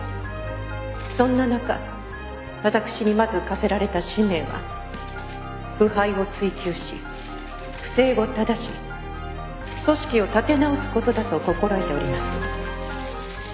そんな中私にまず課せられた使命は腐敗を追及し不正をただし組織を立て直す事だと心得ております。